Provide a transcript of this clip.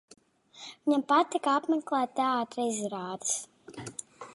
Viņam patika apmeklēt teātra izrādes